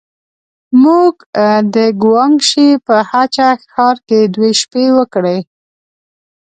موږ د ګوانګ شي په هه چه ښار کې دوې شپې وکړې.